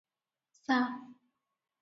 ସା।